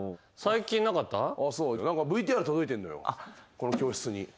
この教室に。